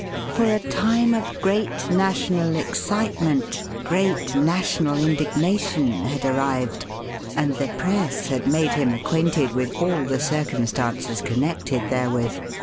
For a time of great national excitement, great national indignation, had arrived, and the press had made him acquainted with all the circumstances connected therewith.